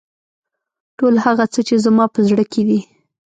ټول هغه څه چې زما په زړه کې دي.